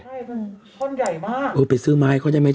ใช่มันท่อนใหญ่มากเออไปซื้อไม้เขาได้ไหม